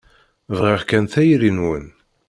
Bɣiɣ kan tayri-nwen.